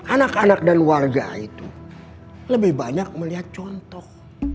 anak anak dan warga itu lebih banyak melihat contoh